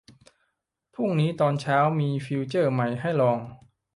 พรุ่งนี้ตอนเช้าจะมีฟีเจอร์ใหม่ให้ลอง